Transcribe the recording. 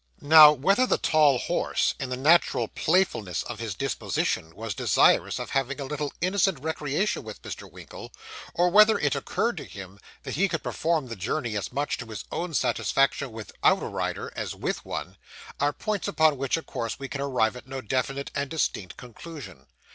Now whether the tall horse, in the natural playfulness of his disposition, was desirous of having a little innocent recreation with Mr. Winkle, or whether it occurred to him that he could perform the journey as much to his own satisfaction without a rider as with one, are points upon which, of course, we can arrive at no definite and distinct conclusion.